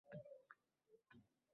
Jahonning nurafshon